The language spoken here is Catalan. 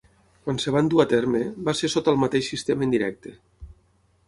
Quan es van dur a terme, va ser sota el mateix sistema indirecte.